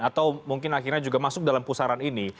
atau mungkin akhirnya juga masuk dalam pusaran ini